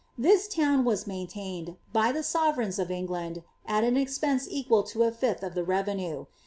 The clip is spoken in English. This town was maintained, by the sovereigns of England, at an expense equal to a fif^h of the revenue.